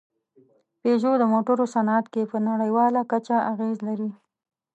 پيژو د موټرو صنعت کې په نړۍواله کچه اغېز لري.